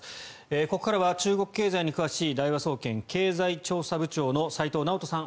ここからは中国経済に詳しい大和総研経済調査部長の齊藤尚登さん